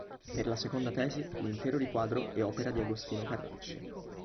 Per la seconda tesi l'intero riquadro è opera di Agostino Carracci.